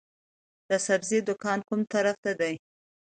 د سبزۍ دکان کوم طرف ته دی؟